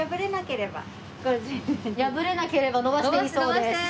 破れなければ伸ばしていいそうです。